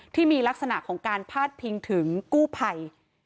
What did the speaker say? ที่มีลักษณะของการพาดพิงถึงกู้ภัย